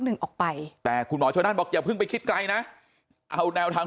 หนึ่งออกไปแต่คุณหมอชนนั่นบอกอย่าเพิ่งไปคิดไกลนะเอาแนวทาง